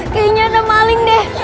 kayaknya ada maling deh